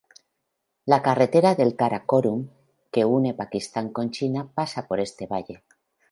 La carretera del Karakórum que une Pakistán con China pasa por este valle.